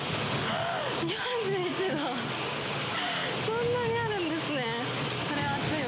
そんなにあるんですね。